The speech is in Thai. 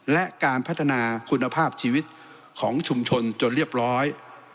และการพัฒนาคุณภาพชีวิตของชุมชนจนเรียบร้อย